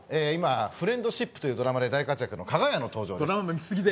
今『フレンドシップ』というドラマで大活躍のかが屋の登場です。